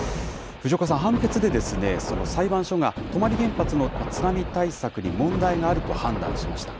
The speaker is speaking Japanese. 藤岡さん、判決で裁判所が泊原発の津波対策に問題があると判断しました。